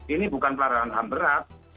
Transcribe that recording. ini bukan peran peran berat